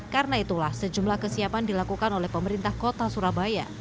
karena itulah sejumlah kesiapan dilakukan oleh pemerintah kota surabaya